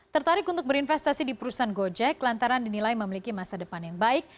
tertarik untuk berinvestasi di perusahaan gojek lantaran dinilai memiliki masa depan yang baik